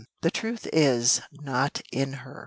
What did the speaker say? The truth is not in her."